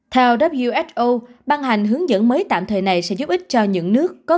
theo who ban hành hướng dẫn mới tạm thời này sẽ giúp ích cho những nước có ca mắc covid một mươi chín